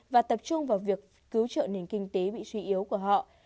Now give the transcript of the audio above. và tập trung vào việc cứu trợ nền kinh tế bị suy yếu của họ